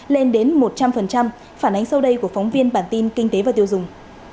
lên đến một trăm linh phản ánh sau đây của phóng viên bản tin kinh tế và tiêu dùng